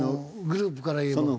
グループからいうと。